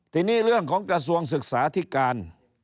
ทีนี้เรื่องของกระทรวงศึกษาธิการ